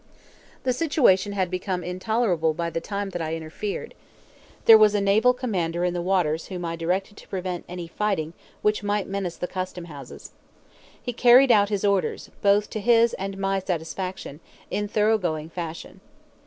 The situation had become intolerable by the time that I interfered. There was a naval commander in the waters whom I directed to prevent any fighting which might menace the custom houses. He carried out his orders, both to his and my satisfaction, in thoroughgoing fashion.